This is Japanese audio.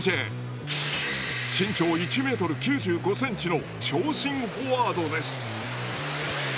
身長１ｍ９５ｃｍの長身フォワードです。